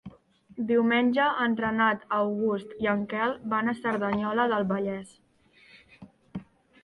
Diumenge en Renat August i en Quel van a Cerdanyola del Vallès.